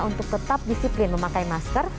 untuk tetap disiplin memakai masker